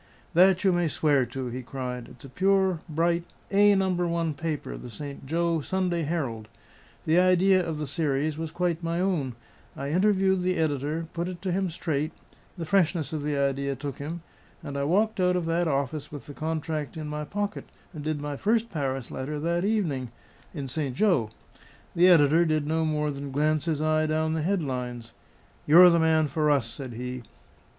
"That you may swear to," he cried. "It's a pure, bright, A number 1 paper; the St. Jo Sunday Herald. The idea of the series was quite my own; I interviewed the editor, put it to him straight; the freshness of the idea took him, and I walked out of that office with the contract in my pocket, and did my first Paris letter that evening in Saint Jo. The editor did no more than glance his eye down the headlines. 'You're the man for us,' said he."